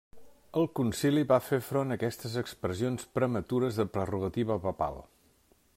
El concili va fer front a aquestes expressions prematures de prerrogativa papal.